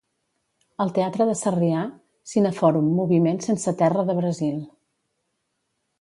Al Teatre de Sarrià, cine-fòrum Moviment sense terra de Brasil.